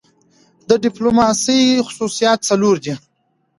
د ډیموکراسۍ خصوصیات څلور دي.